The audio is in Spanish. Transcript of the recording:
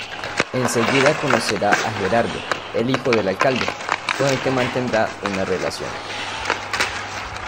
Enseguida conocerá a Gerardo, el hijo del alcalde, con el que mantendrá una relación.